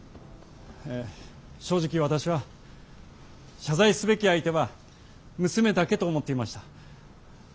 正直私は「謝罪すべき相手は娘だけ」と思っていました。